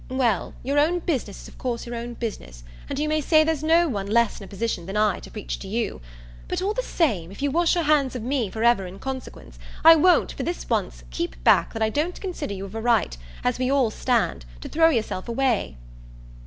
"Well, your own business is of course your own business, and you may say there's no one less in a position than I to preach to you. But, all the same, if you wash your hands of me for ever in consequence, I won't, for this once, keep back that I don't consider you've a right, as we all stand, to throw yourself away."